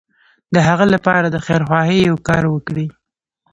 د هغه لپاره د خيرخواهي يو کار وکړي.